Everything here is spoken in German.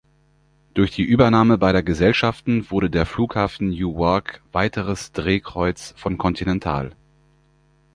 Durch die Übernahme beider Gesellschaften wurde der Flughafen Newark weiteres Drehkreuz von "Continental".